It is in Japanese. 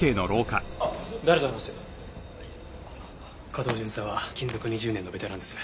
加藤巡査は勤続２０年のベテランです。